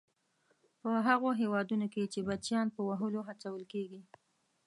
په هغو هېوادونو کې چې بچیان په وهلو هڅول کیږي.